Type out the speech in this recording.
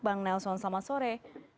bang nelson selamat sore